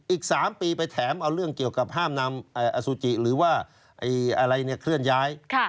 อีก๓ปีไปแถมเอาเรื่องเกี่ยวกับห้ามนำอสุจิหรือว่าอะไรเคลื่อนย้าย